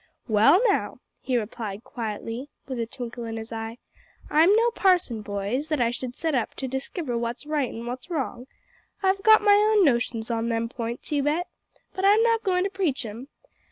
"Well, now," he replied quietly, with a twinkle in his eye, "I'm no parson, boys, that I should set up to diskiver what's right an' what's wrong. I've got my own notions on them points, you bet, but I'm not goin' to preach 'em.